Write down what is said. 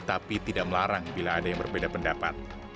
tapi tidak melarang bila ada yang berbeda pendapat